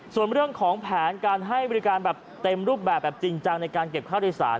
ส่วนเรื่องของแผนการให้บริการแบบเต็มรูปแบบแบบจริงจังในการเก็บค่าโดยสาร